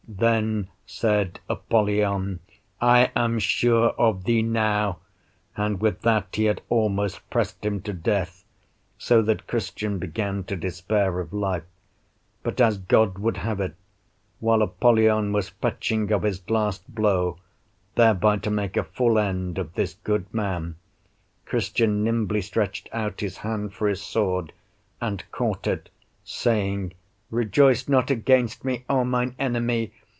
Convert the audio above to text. Then said Apollyon, I am sure of thee now; and with that he had almost pressed him to death, so that Christian began to despair of life: but as God would have it, while Apollyon was fetching of his last blow, thereby to make a full end of this good man, Christian nimbly stretched out his hand for his sword, and caught it, saying, "Rejoice not against me, O mine enemy!